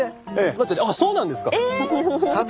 そうなんですか！